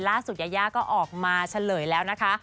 ล่าสุดยายาก็ออกมาเฉลยแล้วนะคะ